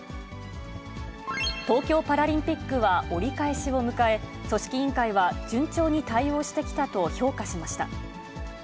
東京パラリンピックは折り返しを迎え、組織委員会は、順調に対応してきたと評価しました。